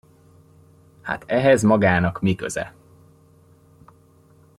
Hát ehhez magának mi köze?